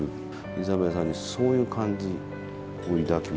イザベルさんにそういう感じを抱きました。